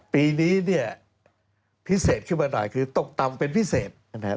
ปีนี้เนี่ยพิเศษขึ้นมาหน่อยคือตกต่ำเป็นพิเศษนะครับ